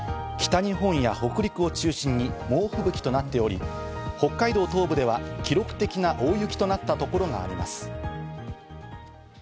北日本や北陸を中心に猛吹雪となっており、北海道東部では記録的な大雪となったところがあります。